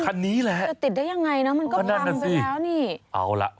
คุณดูอะไร